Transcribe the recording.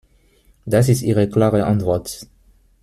Das ist ihre klare Antwort.